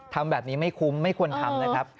ทำแบบนี้ไม่คุ้มไม่ควรทำนะครับ